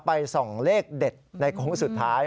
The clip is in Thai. ส่องเลขเด็ดในโค้งสุดท้าย